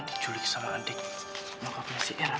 dijulik sama adik nyokapnya si eran